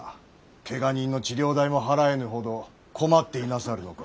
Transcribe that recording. けが人の治療代も払えぬほど困っていなさるのか？